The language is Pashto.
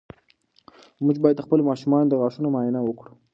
موږ باید د خپلو ماشومانو د غاښونو معاینه وکړو.